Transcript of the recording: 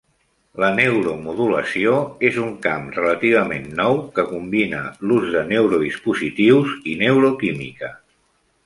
La neuromodulació és un camp relativament nou que combina l'ús de neurodispositius i neuroquímica.